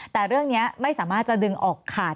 แต่เรื่องนี้ไม่สามารถจะดึงออกขาด